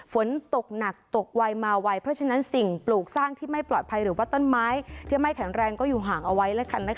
ฝนตกหนักตกไวมาไวเพราะฉะนั้นสิ่งปลูกสร้างที่ไม่ปลอดภัยหรือว่าต้นไม้ที่ไม่แข็งแรงก็อยู่ห่างเอาไว้แล้วกันนะคะ